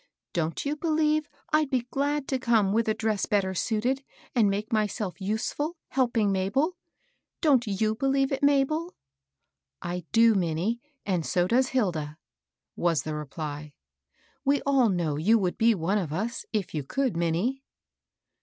" Don't you believe I'd be glad 82 MABEL ROSS. to come with a dress better suited, and make my^ self useful, helping Mabel ? Don't you believe it Mabel?" ^^ I do Minnie ; and so does Hilda," was the reply. " We all know you would be one of us, if you could, Minnie."